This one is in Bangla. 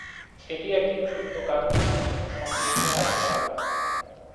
এটি একটি চোদ্দ কার্বন বিশিষ্ট সম্পৃক্ত হাইড্রোকার্বন।